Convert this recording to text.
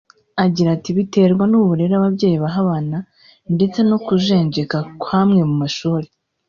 agira ati “ Biterwa n’uburere ababyeyi baha abana ndetse no kujenjeka kw’amwe mu mashuri